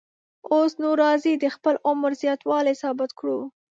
اوس نو راځئ د خپل عمر زیاتوالی ثابت کړو.